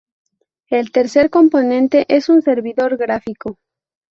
El tercer componente es un servidor gráfico.